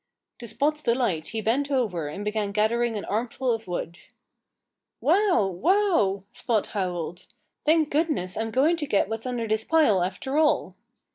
To Spot's delight he bent over and began gathering an armful of wood. "Wow! Wow!" Spot howled. "Thank goodness I'm going to get what's under this pile, after all."